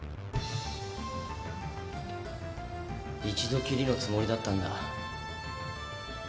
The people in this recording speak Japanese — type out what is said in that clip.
一度きりのつもりだったんだ。